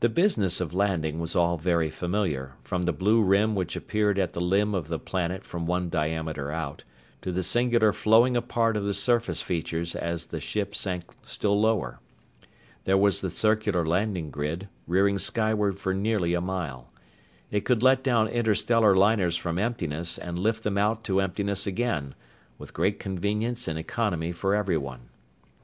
The business of landing was all very familiar, from the blue rim which appeared at the limb of the planet from one diameter out, to the singular flowing apart of the surface features as the ship sank still lower. There was the circular landing grid, rearing skyward for nearly a mile. It could let down interstellar liners from emptiness and lift them out to emptiness again, with great convenience and economy for everyone.